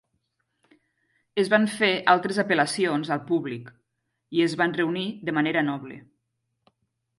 Es van fer altres apel·lacions al públic i es van reunir de manera noble.